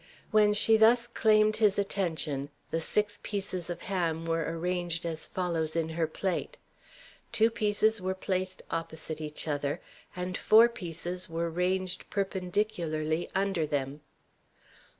When she thus claimed his attention the six pieces of ham were arranged as follows in her plate: Two pieces were placed opposite each other, and four pieces were ranged perpendicularly under them.